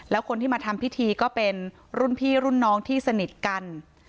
แล้วคนที่มาทำพิธีก็เป็นรุ่นพี่รุ่นน้องที่สนิทกัน